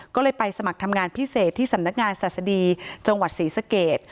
ก็เลยไปสมัครทำงานพิเศษที่สำนักงานศาสดีจังหวัดศรีสเกต